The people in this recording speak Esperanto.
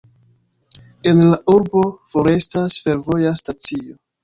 En la urbo forestas fervoja stacio.